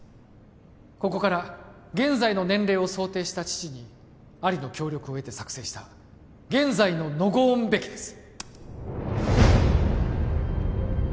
ここから現在の年齢を想定した父にアリの協力を得て作成した現在のノゴーン・ベキです